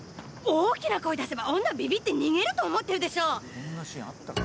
「大きな声出せば女はビビって逃げると思ってるでしょ」